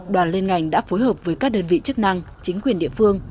đoàn liên ngành đã phối hợp với các đơn vị chức năng chính quyền địa phương